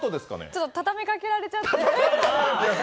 ちょっと畳みかけられちゃって。